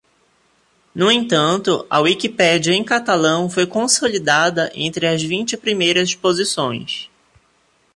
No entanto, a Wikipédia em catalão foi consolidada entre as vinte primeiras posições.